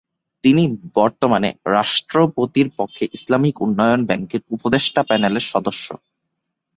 তিনি বর্তমানে রাষ্ট্রপতির পক্ষে ইসলামিক উন্নয়ন ব্যাংকের উপদেষ্টা প্যানেলের সদস্য।